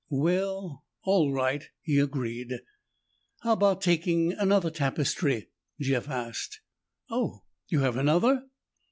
"Well, all right," he agreed. "How about taking another tapestry?" Jeff asked. "Oh, you have another?"